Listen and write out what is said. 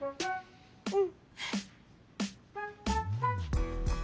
うん。